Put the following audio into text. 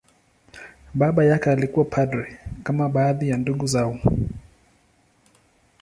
Baba yake alikuwa padri, kama baadhi ya ndugu zao.